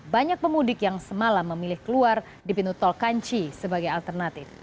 banyak pemudik yang semalam memilih keluar di pintu tol kanci sebagai alternatif